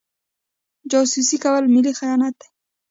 جاسوسي کول ملي خیانت دی.